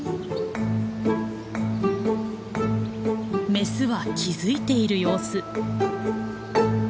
メスは気付いている様子。